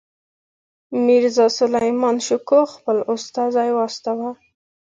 میرزاسلیمان شکوه خپل استازی واستاوه.